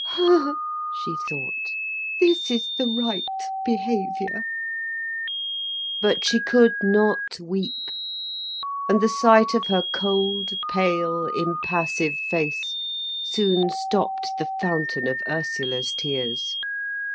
"Ha, ha!" she thought, "this is the right behaviour." But she could not weep, and the sight of her cold, pale, impassive face soon stopped the fountain of Ursula's tears.